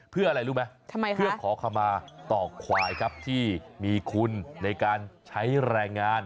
เพื่ออะไรรู้ไหมเพื่อขอขมาต่อควายครับที่มีคุณในการใช้แรงงาน